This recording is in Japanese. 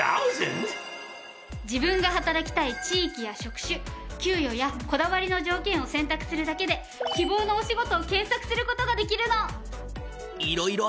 自分が働きたい地域や職種給与やこだわりの条件を選択するだけで希望のお仕事を検索する事ができるの！